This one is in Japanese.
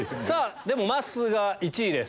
まっすーが１位です